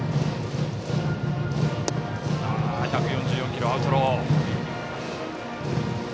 １４４キロのアウトロー。